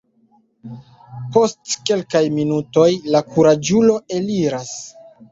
Post kelkaj minutoj la kuraĝulo eliras.